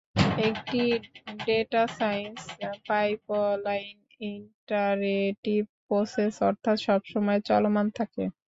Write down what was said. একটি data science pipeline iterative process অর্থাৎ সবসময় চলমান থাকে।